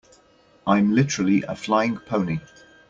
I'm literally a flying pony.